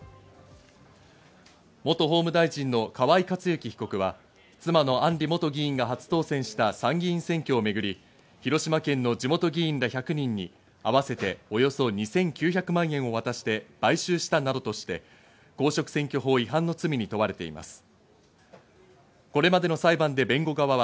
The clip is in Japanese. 元法務大臣の河井克行被告は妻の案里元議員が初当選した参議院選挙をめぐり、広島県の地元議員ら１００人にあわせておよそ２９００万円を渡して買収したなどとして、公職選挙法違反の罪に問われています。